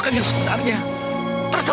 kalau anaknya itu diculik